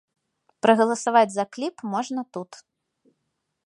Прагаласаваць за кліп можна тут.